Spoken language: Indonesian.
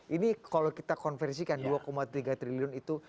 ini kalau kita konversikan dua tiga triliun itu